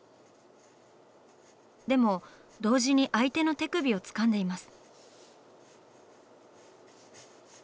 でも同時に相手の手首をつかんでいます。